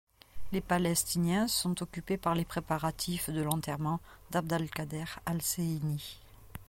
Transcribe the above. Les Palestiniens sont occupés par les préparatifs de l'enterrement d'Abd al-Kader al-Husseini.